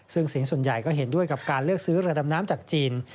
ซึ่งเสียงส่วนใหญ่ก็เห็นด้วยกับการเลือกซื้อเรือดำน้ำจากจีน